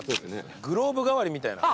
グラブ代わりみたいな。